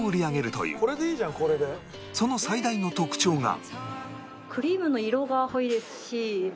その最大の特徴が